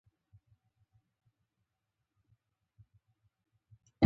شیوا جي له اورنګزېب سره له ملاقاته وروسته نظربند شو.